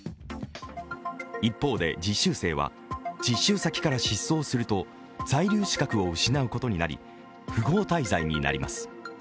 一方で実習生は、実習先から失踪すると在留資格を失うことになり不法滞在になります